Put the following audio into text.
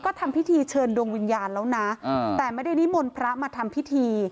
ก็ทำพิธีเชิญดวงวิญญาณแล้วนะแต่ไม่ได้นิมนต์พระมาทำพิธี